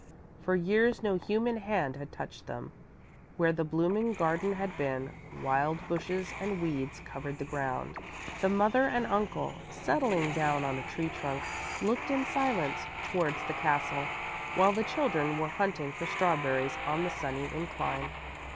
For years no human hand had touched them. Where the blooming garden had been wild bushes and weeds covered the ground. The mother and uncle, settling down on a tree trunk, looked in silence towards the castle, while the children were hunting for strawberries on the sunny incline.